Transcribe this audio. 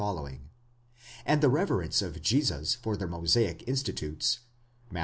and the reverence of Jesus for the Mosaic institutes (Matt.